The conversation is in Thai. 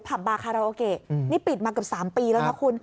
ผับบาคาราโอเกะนี่ปิดมากับ๓ปีแล้วค่ะคุณ